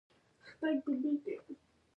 مونږ مرسته کوو